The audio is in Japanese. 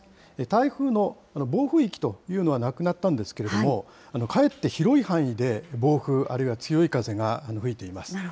台風の暴風域というのはなくなったんですけれども、かえって広い範囲で暴風、あるいは強い風が吹いています。